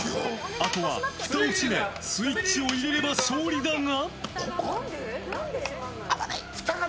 あとは、ふたを閉めスイッチを入れれば勝利だが。